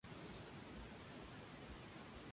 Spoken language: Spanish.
Consta de tres partes, antiguas naves.